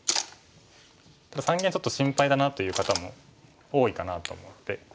ただ三間ちょっと心配だなっていう方も多いかなと思って。